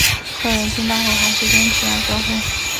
客人听到后还是坚持要交货